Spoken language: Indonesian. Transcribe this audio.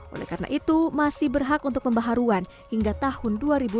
oleh karena itu masih berhak untuk pembaharuan hingga tahun dua ribu dua puluh